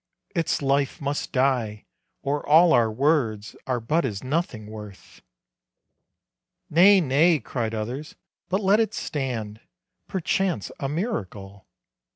Its life must die or all our words Are but as nothing worth." "Nay, nay," cried others, "but let it stand, Perchance a miracle."